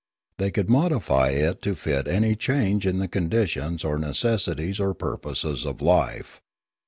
They could modify it to fit any change in the conditions or neces sities or purposes of life.